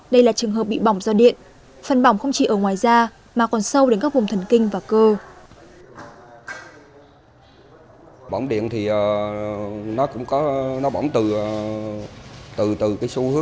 đây là trường hợp bị bỏng do điện phần bỏng không chỉ ở ngoài da mà còn sâu đến các vùng thần kinh và cơ